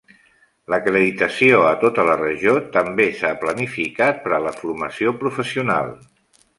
L'acreditació a tota la regió també s'ha planificat per a la formació professional.